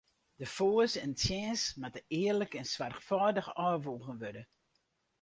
De foars en tsjins moatte earlik en soarchfâldich ôfwoegen wurde.